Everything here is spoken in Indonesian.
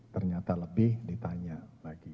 ternyata lebih ditanya lagi